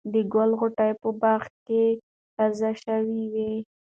د ګل غوټۍ په باغ کې تازه شوې وې.